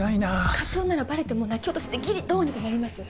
課長ならバレても泣き落としでギリどうにかなります。